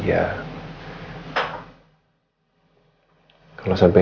kita sebarin di sosial media